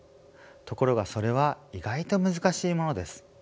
ところがそれは意外と難しいものです。